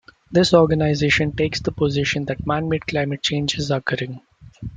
This organization takes the position that man-made climate change is occurring.